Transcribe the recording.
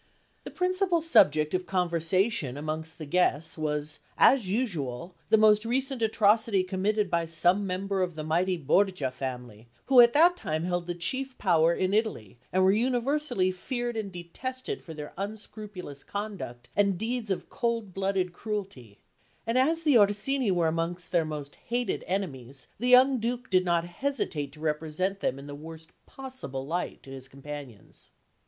The principal subject of conversation amongst the guests was, as usual, the most recent atrocity committed by some member of the mighty Borgia family, who at that time held the chief power in Italy, and were universally feared and detested for their unscrupulous conduct and deeds of cold blooded cruelty; and as the Orsini were amongst their most hated enemies, the young Duke did not hesitate to represent them in the worst possible light to his companions.